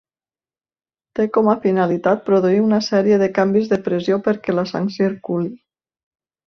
Té com a finalitat produir una sèrie de canvis de pressió perquè la sang circuli.